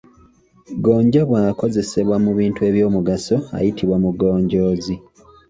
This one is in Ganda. Gonja bw’akozesebwa mu bintu eby’omugaso ayitibwa Mugonjoozi.